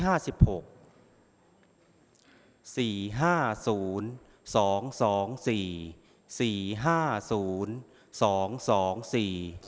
ออกรวมที่๕ครั้งที่๕๖